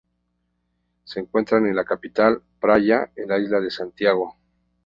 Se encuentra en la capital, Praia, en la isla de Santiago.